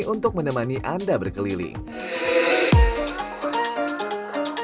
untuk menemani anda berkeliling